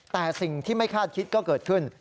แต่สิ่งที่ไม่คาดคิดก็เกิดขึ้น